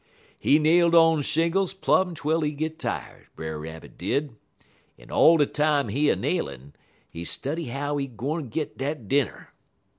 "He nailed on shingles plum twel he git tired, Brer Rabbit did, en all de time he nailin', he study how he gwine git dat dinner.